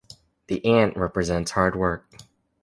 The ant represents hard work.